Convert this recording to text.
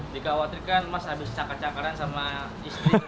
dikhawatirkan mas habis cakar cakaran sama istri